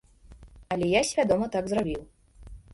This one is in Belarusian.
Але я свядома так зрабіў.